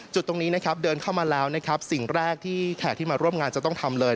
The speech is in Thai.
จุดตรงนี้นะครับเดินเข้ามาแล้วนะครับสิ่งแรกที่แขกที่มาร่วมงานจะต้องทำเลย